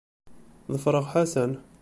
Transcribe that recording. Ḍefreɣ Ḥasan.